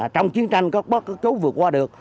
trong chiến tranh có bất cứ chỗ vượt qua được